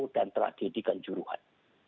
dan tragedikan juruhan